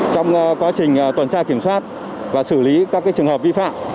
trong quá trình tuần tra kiểm soát và xử lý các trường hợp vi phạm